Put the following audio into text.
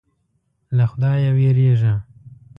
له خدایه وېرېږه.